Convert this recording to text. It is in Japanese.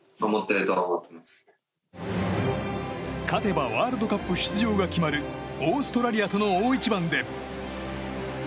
勝てばワールドカップ出場が決まるオーストラリアとの大一番で。